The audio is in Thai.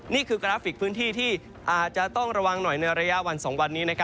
นี่คือกราฟิกพื้นที่ที่อาจจะต้องระวังหน่อยในระยะวัน๒วันนี้